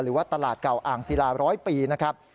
หรือว่าตลาดเก่าอ่างศิลา๑๐๐ปีนะครับ